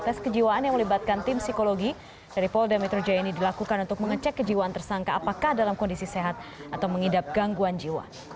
tes kejiwaan yang melibatkan tim psikologi dari polda metro jaya ini dilakukan untuk mengecek kejiwaan tersangka apakah dalam kondisi sehat atau mengidap gangguan jiwa